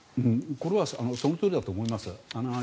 これはそのとおりだと思います。